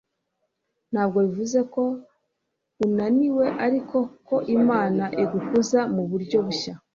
ntabwo bivuze ko unaniwe ariko ko imana igukuza mu buryo bushya